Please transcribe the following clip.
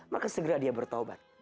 maka segera dia bertobat